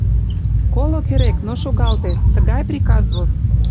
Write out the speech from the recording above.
Коло керек, но шогалте — тыгай приказ вот.